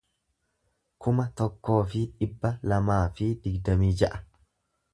kuma tokkoo fi dhibba lamaa fi digdamii ja'a